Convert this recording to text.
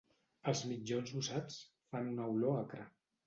Els mitjons usats fan una olor acre.